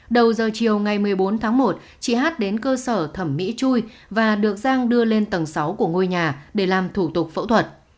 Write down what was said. đầu giờ chiều ngày một mươi bốn tháng một chị hát đến cơ sở thẩm mỹ chui và được giang đưa lên tầng sáu của ngôi nhà để làm thủ tục phẫu thuật